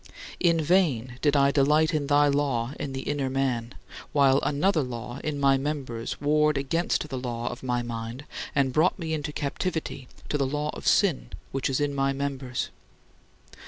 In vain did I "delight in thy law in the inner man" while "another law in my members warred against the law of my mind and brought me into captivity to the law of sin which is in my members."